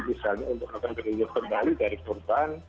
misalnya untuk mengambil uang kembali dari korban